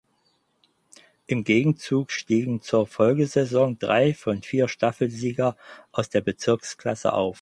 Im Gegenzug stiegen zur Folgesaison drei von vier Staffelsieger aus der Bezirksklasse auf.